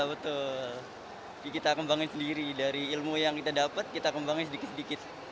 betul kita kembangin sendiri dari ilmu yang kita dapat kita kembangin sedikit sedikit